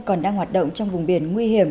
còn đang hoạt động trong vùng biển nguy hiểm